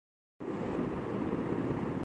بجلی چالو کی